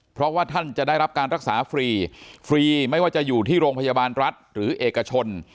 เพราะว่าท่านจะได้รับการรักษาฟรีฟรีไม่ว่าจะอยู่ที่โรงพยาบาลรัฐหรือเอกชน